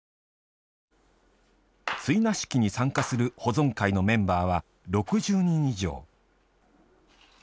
追儺式に参加する保存会のメンバーは６０人以上。